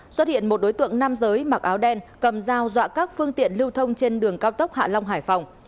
xuất hiện một đối tượng nam giới mặc áo đen cầm dao các phương tiện lưu thông trên đường cao tốc hạ long hải phòng